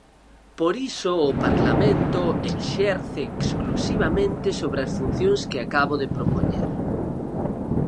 Por iso o Parlamento exerce exclusivamente sobre as funcións que acabo de propoñer.